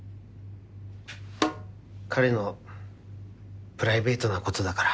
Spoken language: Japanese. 彼のプライベートなことだから。